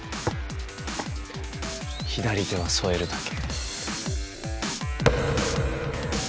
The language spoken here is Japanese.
左手は添えるだけ。